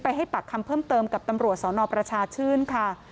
ให้ปากคำเพิ่มเติมกับตำรวจสนประชาชื่นค่ะ